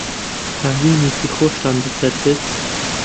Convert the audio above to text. هاوینێکی خۆشتان بەسەر برد؟